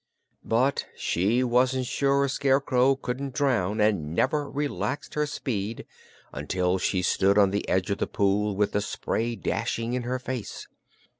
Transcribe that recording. But she wasn't sure a Scarecrow couldn't drown and never relaxed her speed until she stood on the edge of the pool, with the spray dashing in her face.